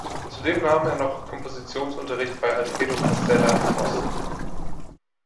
Zudem nahm er noch Kompositionsunterricht bei Alfredo Casella in Boston.